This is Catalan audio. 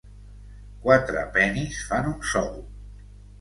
Quatre penis fan un sou.